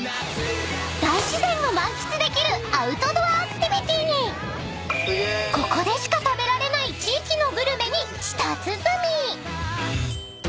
［大自然を満喫できるアウトドアアクティビティーにここでしか食べられない地域のグルメに舌鼓］